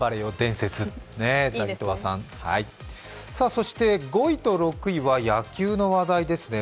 そして５位と６位は野球の話題ですね。